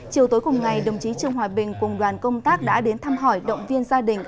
chiều tối cùng ngày đồng chí trương hòa bình cùng đoàn công tác đã đến thăm hỏi động viên gia đình